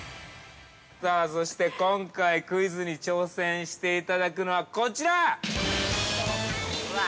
◆そして、今回クイズに挑戦していただくのは、こちら。